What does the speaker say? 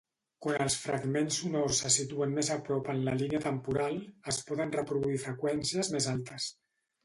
Quan els fragments sonors se situen més a prop en la línia temporal, es poden reproduir freqüències més altes.